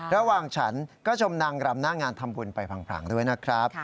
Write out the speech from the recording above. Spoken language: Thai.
ฉันก็ชมนางรำหน้างานทำบุญไปผังด้วยนะครับ